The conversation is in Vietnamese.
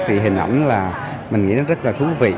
thì hình ảnh là mình nghĩ nó rất là thú vị